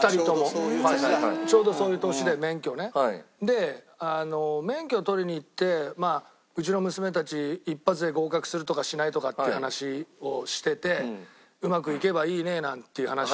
で免許取りに行ってまあうちの娘たち一発で合格するとかしないとかって話をしてて「うまくいけばいいね」なんていう話をしてたのよ。